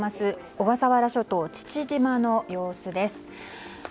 小笠原諸島父島の様子です。